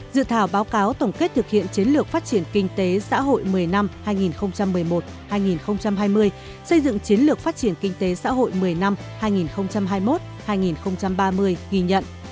dự thảo báo cáo tổng kết thực hiện chiến lược phát triển kinh tế xã hội một mươi năm hai nghìn một mươi một hai nghìn hai mươi xây dựng chiến lược phát triển kinh tế xã hội một mươi năm hai nghìn hai mươi một hai nghìn ba mươi ghi nhận